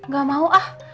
gak mau ah